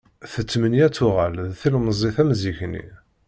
Tettmenni ad tuɣal, d tilemẓit am zik-nni.